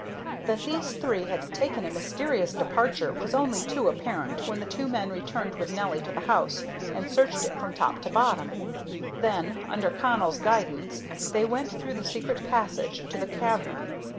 That these three had taken a mysterious departure was only too apparent when the two men returned with Nelly to the house and searched it from top to bottom. Then, under Connell's guidance, they went through the secret passage to the cavern.